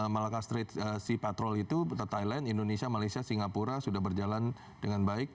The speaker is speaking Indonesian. malaka street si patrol itu thailand indonesia malaysia singapura sudah berjalan dengan baik